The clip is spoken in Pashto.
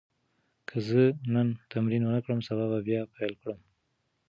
که زه نن تمرین ونه کړم، سبا به بیا پیل کړم.